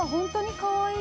「かわいい」